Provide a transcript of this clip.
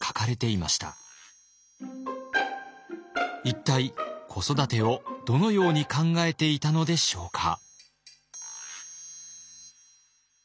一体子育てをどのように考えていたのでしょうか。